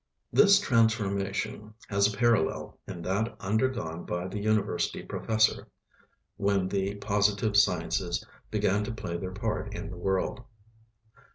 This transformation has a parallel in that undergone by the university professor, when the positive sciences began to play their part in the world.